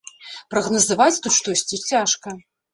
Прагназаваць тут штосьці цяжка.